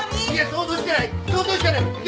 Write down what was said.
想像してない想像してない！